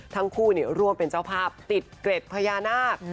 ทั้งคู่ร่วมเป็นเจ้าภาพติดเกร็ดพญานาค